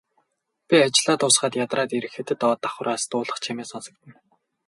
Би ажлаа дуусгаад ядраад ирэхэд доод давхраас дуулах чимээ сонсогдоно.